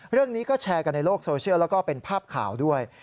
เรื่องนี้ก็แชร์กันในโลกโซเชียลแล้วก็เป็นภาพข่าวด้วย